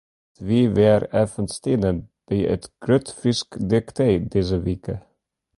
It wie wer even stinne by it Grut Frysk Diktee dizze wike.